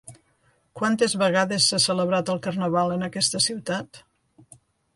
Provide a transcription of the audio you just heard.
Quantes vegades s'ha celebrat el carnaval en aquesta ciutat?